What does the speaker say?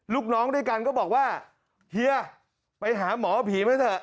ลูกน้องด้วยกันก็บอกว่าเฮียไปหาหมอผีมาเถอะ